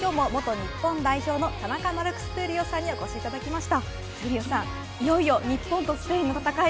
スタジオには、今日も元日本代表の田中マルクス闘莉王さんにお越しいただきました。